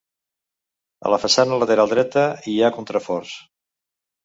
A la façana lateral dreta, hi ha contraforts.